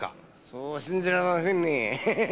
そう信じられませんね。